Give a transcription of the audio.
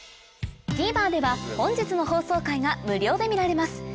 ＴＶｅｒでは本日の放送回が無料で見られます